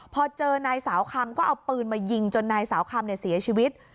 พอเจอนายสาวคำก็เอาปืนมายิงจนนายสาวคำเสียชีวิต